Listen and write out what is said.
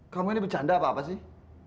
kamu ini bercanda apa apa sih